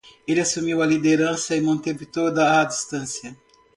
Ele assumiu a liderança e manteve toda a distância.